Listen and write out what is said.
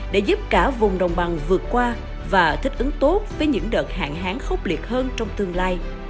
để giúp cả vùng đồng bằng vượt qua và thích ứng tốt với những đợt hạn hán khốc liệt hơn trong tương lai